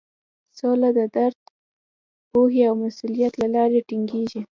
سوله د درک، پوهې او مسولیت له لارې ټینګیږي.